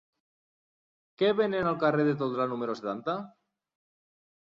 Què venen al carrer de Tolrà número setanta?